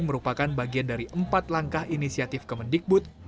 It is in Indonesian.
merupakan bagian dari empat langkah inisiatif ke mendikbud